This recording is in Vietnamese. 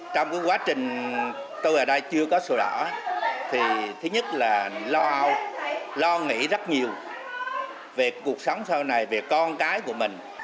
trong quá trình tôi ở đây chưa có sổ đỏ thì thứ nhất là lo nghĩ rất nhiều về cuộc sống sau này về con cái của mình